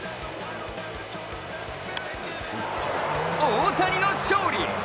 大谷の勝利！